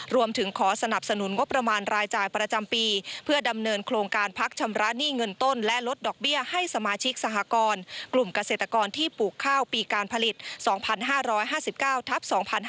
รวมถึงขอสนับสนุนงบประมาณรายจ่ายประจำปีเพื่อดำเนินโครงการพักชำระหนี้เงินต้นและลดดอกเบี้ยให้สมาชิกสหกรกลุ่มเกษตรกรที่ปลูกข้าวปีการผลิต๒๕๕๙ทับ๒๕๕๙